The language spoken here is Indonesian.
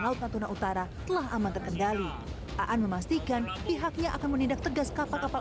laut natuna utara telah aman terkendali aan memastikan pihaknya akan menindak tegas kapal kapal